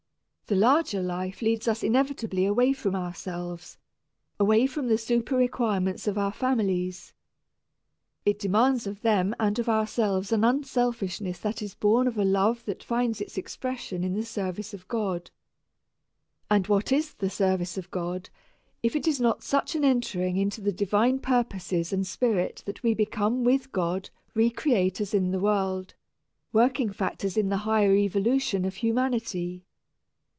The larger life leads us inevitably away from ourselves, away from the super requirements of our families. It demands of them and of ourselves an unselfishness that is born of a love that finds its expression in the service of God. And what is the service of God if it is not such an entering into the divine purposes and spirit that we become with God re creators in the world working factors in the higher evolution of humanity?